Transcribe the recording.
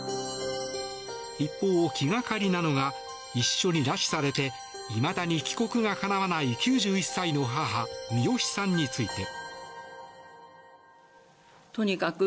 一方、気がかりなのが一緒に拉致されていまだに帰国がかなわない９１歳の母ミヨシさんについて。